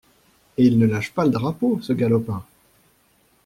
Et il ne lâche pas le drapeau, ce galopin!